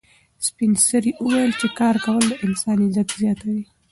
سپین سرې وویل چې کار کول د انسان عزت زیاتوي.